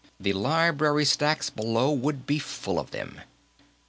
The library stacks, below, would be full of them.